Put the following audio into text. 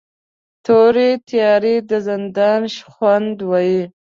تورې تیارې د زندان شخوند وهي